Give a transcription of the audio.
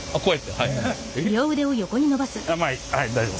はい大丈夫です。